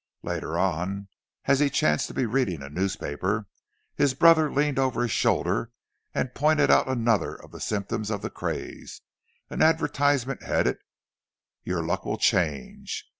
Later on, as he chanced to be reading a newspaper, his brother leaned over his shoulder and pointed out another of the symptoms of the craze—an advertisement headed, "Your luck will change."